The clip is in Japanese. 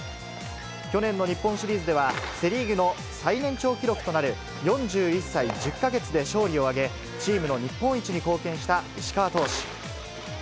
去年の日本シリーズではセ・リーグの最年長記録となる４１歳１０か月で勝利を挙げ、チームの日本一に貢献した石川投手。